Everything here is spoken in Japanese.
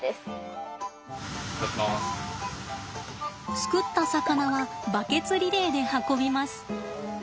すくった魚はバケツリレーで運びます。